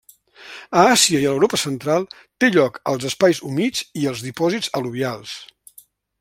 A Àsia i a l'Europa central té lloc als espais humits i als dipòsits al·luvials.